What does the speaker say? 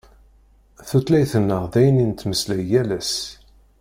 Tutlayt-nneɣ d ayen i nettmeslay yal ass.